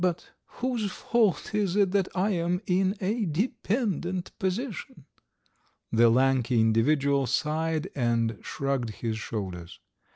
But whose fault is it that I am in a dependent position?" The lanky individual sighed and shrugged his shoulders.